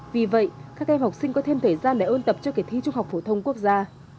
vì vậy các em học sinh có thêm thời gian để ôn tập cho kỳ thi trung học phổ thông quốc gia